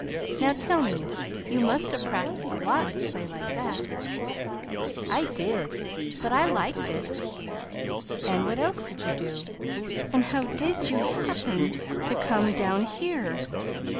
"Now, tell me you must have practiced a lot to play like that." "I did but I liked it." "And what else did you do? and how did you happen to come down here?"